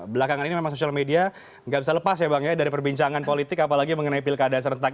belakangan ini memang sosial media nggak bisa lepas ya bang ya dari perbincangan politik apalagi mengenai pilkada serentak